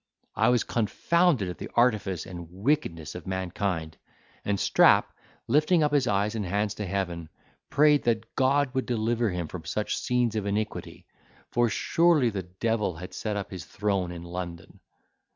I was confounded at the artifice and wickedness of mankind; and Strap, lifting up his eyes and hands to heaven, prayed that God would deliver him from such scenes of iniquity, for surely the devil had set up his throne in London.